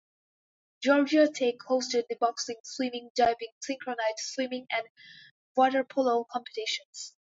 Georgia Tech hosted the boxing, swimming, diving, synchronized swimming, and water polo competitions.